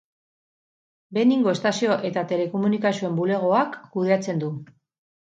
Beningo Estazio eta Telekomunikazioen Bulegoak kudeatzen du.